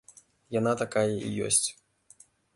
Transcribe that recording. Яна такая і ёсць.